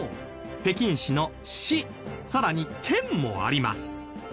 北京市の「市」さらに「県」もあります。